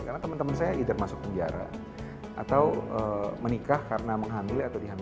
karena teman teman saya either masuk penjara atau menikah karena menghamili atau dihamili